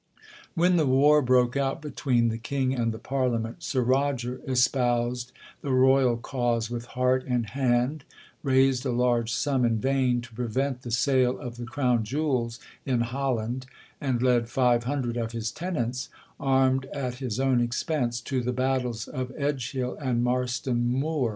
'When the war broke out between the King and the Parliament, Sir Roger espoused the royal cause with heart and hand,—raised a large sum in vain, to prevent the sale of the crown jewels in Holland,—and led five hundred of his tenants, armed at his own expence, to the battles of Edge hill and Marston moor.